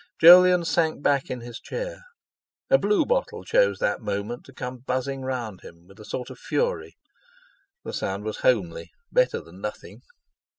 Jolyon sank back in his chair. A blue bottle chose that moment to come buzzing round him with a sort of fury; the sound was homely, better than nothing....